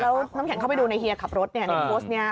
แล้วน้ำแข็งเข้าไปดูในเฮียขับรถในโพสต์นี้